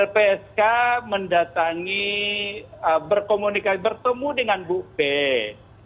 lpsk mendatangi berkomunikasi bertemu dengan bu pe